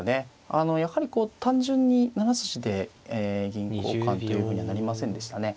やはりこう単純に７筋で銀交換というふうにはなりませんでしたね。